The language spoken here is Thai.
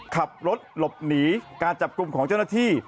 ขับรถหลบหนีการจับกลุ่มของเจ้าหน้าที่